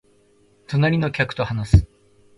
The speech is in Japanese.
隣の客と話す